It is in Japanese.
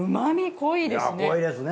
濃いですね。